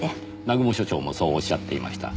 南雲所長もそうおっしゃっていました。